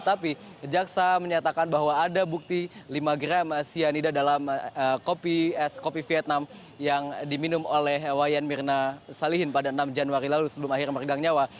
tapi jaksa menyatakan bahwa ada bukti lima gram cyanida dalam kopi es kopi vietnam yang diminum oleh wayan mirna salihin pada enam januari lalu sebelum akhir mergang nyawa